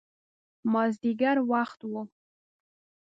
مازدیګر وخت و.